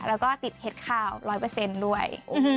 แล้วก็ติด๑๘ร้อยเปอร์เซ็นต์ด้วย